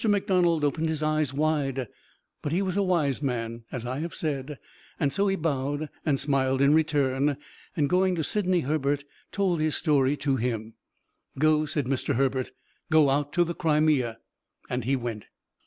McDonald opened his eyes wide; but he was a wise man, as I have said; so he bowed and smiled in return, and going to Sidney Herbert, told his story to him. "Go!" said Mr. Herbert; "Go out to the Crimea!" and he went.